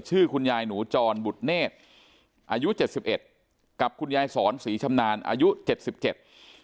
ชื่อคุณยายหนูจรบุตรเนธอายุเจ็ดสิบเอ็ดกับคุณยายสอนศรีชำนาญอายุเจ็ดสิบเจ็ด